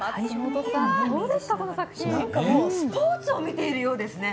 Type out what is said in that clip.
スポーツを見ているようですね。